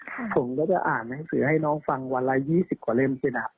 ผมก็จะอ่านหนังสือให้น้องฟังวันละ๒๐กว่าเล่มใช่ไหมครับ